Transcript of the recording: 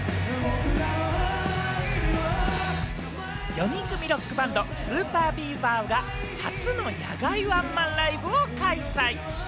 ４人組ロックバンド、ＳＵＰＥＲＢＥＡＶＥＲが初の野外ワンマンライブを開催。